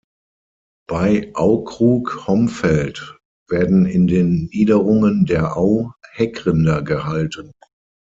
Bei Aukrug-Homfeld werden in den Niederungen der Au Heckrinder gehalten.